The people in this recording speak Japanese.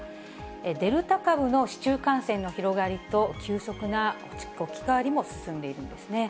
デルタ株の市中感染の広がりと、急速な置き換わりも進んでいるんですね。